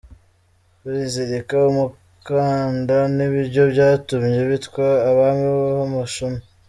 Kwizirika umukanda ni byo byatumye bitwa abami b’umushumi